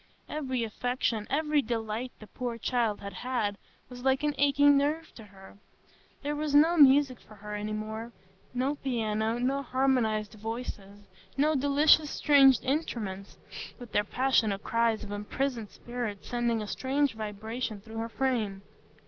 Every affection, every delight the poor child had had, was like an aching nerve to her. There was no music for her any more,—no piano, no harmonised voices, no delicious stringed instruments, with their passionate cries of imprisoned spirits sending a strange vibration through her frame.